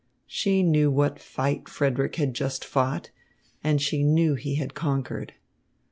She knew what fight Frederick had just fought and she knew he had conquered.